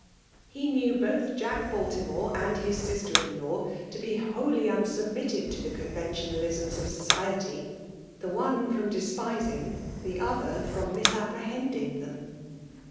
He knew both Jack Baltimore and his sister in law to be wholly unsubmitted to the conventionalisms of society ; the one &om despising, the other from misapprehending them.